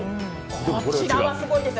こちらはすごいですよ。